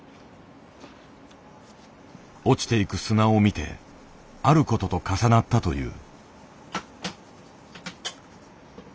落ちていく砂を見てある事と重なったという。